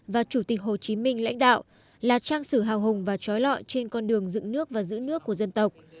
và chủ tịch hồ chí minh lãnh đạo là trang sử hào hùng và trói lọi trên con đường dựng nước và giữ nước của dân tộc